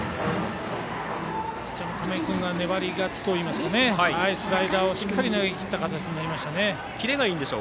ピッチャーの亀井君が粘り勝ちといいますかスライダーをしっかり投げきった形です。